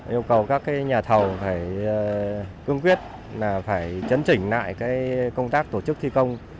yêu cầu các nhà thầu phải cương quyết là phải chấn chỉnh lại công tác tổ chức thi công